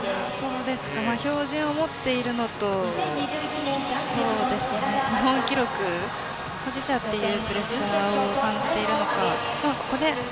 標準を持っているのと日本記録保持者というプレッシャーを感じているのか。